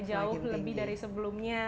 jauh lebih dari sebelumnya